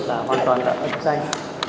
là hoàn toàn là ấm danh